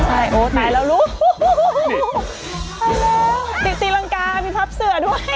ใช่โอ๊ยตายแล้วรู้ฮู้ฮู้ฮู้ไปแล้วตีรังกามีพับเสือด้วย